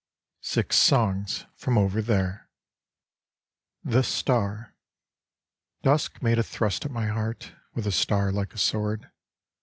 SIX SONGS FROM OVER THERE The Star Dusk made a thrust at my heart With a star like a sword.